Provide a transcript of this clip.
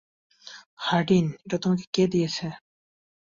Hardinge, এটা তোমাকে কে দিয়েছে?